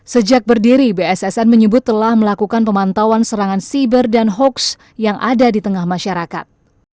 sejak berdiri bssn menyebut telah melakukan pemantauan serangan siber dan hoax yang ada di tengah masyarakat